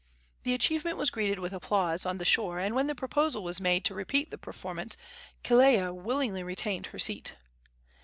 The achievement was greeted with applause on the shore, and when the proposal was made to repeat the performance Kelea willingly retained her seat.